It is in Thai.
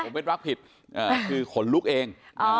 ผมเป็นรักผิดคือขนลุกเอง